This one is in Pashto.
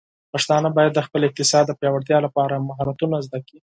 پښتانه بايد د خپل اقتصاد د پیاوړتیا لپاره مهارتونه زده کړي.